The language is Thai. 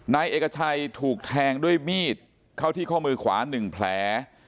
นายเอกชัยถูกแทงด้วยมีดเข้าที่ข้อมือขวา๑แผล